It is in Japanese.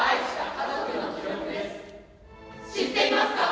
知っていますか。